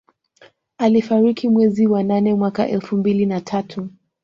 Alifariki mwezi wa nane mwaka elfu mbili na tatu